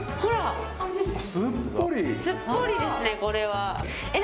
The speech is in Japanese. すっぽりですね、これは。